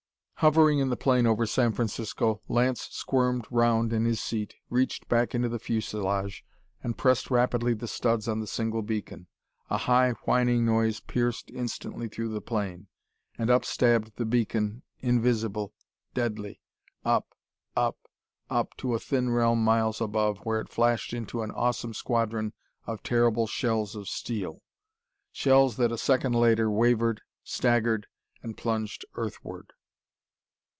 Hovering in the plane over San Francisco Lance squirmed round in his seat, reached back into the fuselage, and pressed rapidly the studs on the Singe beacon. A high whining noise pierced instantly through the plane. And up stabbed the beacon, invisible, deadly up, up, up to a thin realm miles above, where it flashed into an awesome squadron of terrible shells of steel! Shells that, a second later, wavered, staggered, and plunged earthward!